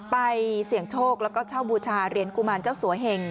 ไปเสี่ยงโชคแล้วก็เช่าบูชาเหรียญกุมารเจ้าสัวเหง